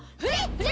フレ！